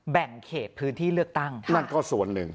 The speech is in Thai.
แบ่งเขตพื้นที่เลือกตั้งนั่นก็ส่วนหนึ่ง